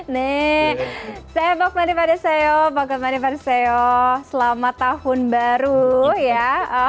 nek saya bakmani pada sayo bakmani pada sayo selamat tahun baru ya